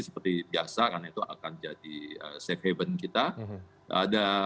seperti biasa karena itu akan jadi safe haven kita